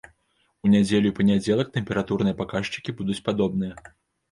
У нядзелю і панядзелак тэмпературныя паказчыкі будуць падобныя.